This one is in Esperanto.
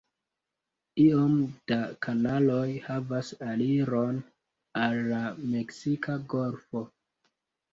Iom da kanaloj havas aliron al la Meksika golfo.